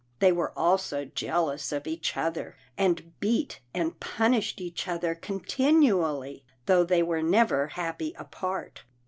They were also jealous of each other, and beat and pun ished each other continually, though they were never happy apart.